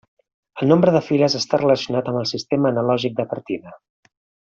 El nombre de files està relacionat amb el sistema analògic de partida.